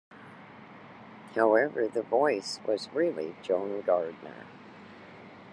However the voice was really Joan Gardner.